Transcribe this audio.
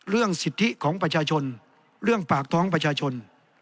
เรื่องสิทธิของประชาชนเรื่องปากท้องประชาชน